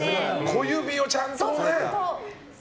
小指をちゃんとね！